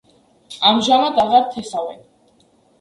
ამჟამად აღარ თესავენ.